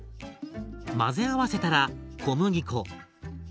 混ぜ合わせたら小麦粉。